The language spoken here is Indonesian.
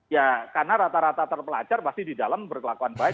ya karena rata rata terpelajar pasti di dalam berkelakuan baik